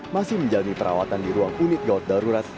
masih menjalani perawatan di ruang unit gawat darurat